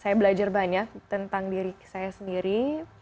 saya belajar banyak tentang diri saya sendiri